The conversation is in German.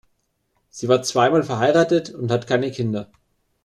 Sie war zweimal verheiratet und hat keine Kinder.